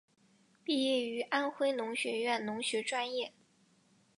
毕业于安徽农学院农学专业。